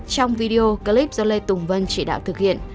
trong video clip do lê tùng vân chỉ đạo thực hiện